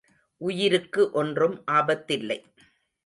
உயிருக்கு ஒன்றும் ஆபத்தில்லை.